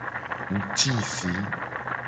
Ngtisi.